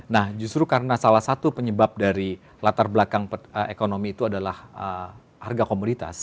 nah justru karena salah satu penyebab dari latar belakang ekonomi itu adalah harga komoditas